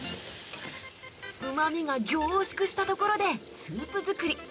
うまみが凝縮したところでスープ作り